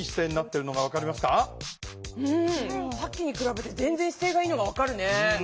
さっきにくらべてぜんぜん姿勢がいいのが分かるね。